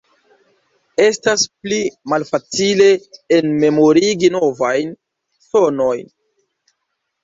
Estas pli malfacile enmemorigi novajn sonojn.